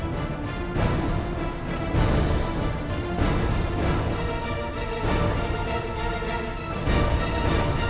pak kauh kenapa saya ada di sini